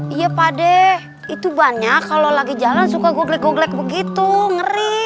iya pakde itu banyak kalo lagi jalan suka gogelek gogelek begitu ngeri